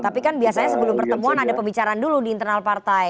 tapi kan biasanya sebelum pertemuan ada pembicaraan dulu di internal partai